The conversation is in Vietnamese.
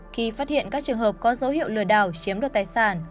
khi phát hiện các trường hợp có dấu hiệu lừa đảo chiếm đoạt tài sản